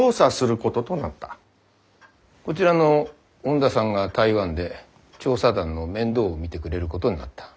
こちらの恩田さんが台湾で調査団の面倒を見てくれることになった。